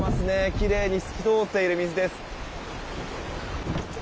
きれいに透き通っている水です。